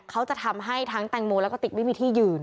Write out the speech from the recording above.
เขาจะทำให้ทั้งแตงโมแล้วก็ติ๊กไม่มีที่ยืน